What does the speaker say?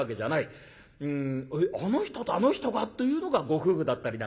あの人とあの人が？」というのがご夫婦だったりなんかする。